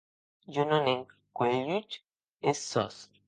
Jo non è cuelhut es sòs!